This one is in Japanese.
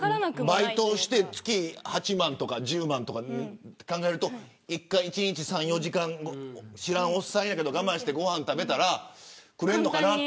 バイトをして月８万とか１０万とか考えると１回１日３、４時間知らんおっさんやけど我慢してご飯食べたらくれるのかなって。